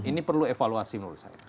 ini perlu evaluasi menurut saya